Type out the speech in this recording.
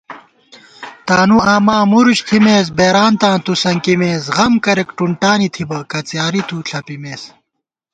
تانُوآما مُرُچ تھِمېس بېرانتاں تُوسنکِمېس * غم کرېک ٹُنٹانی تھِبہ کھڅیاری تُوݪَپِمېس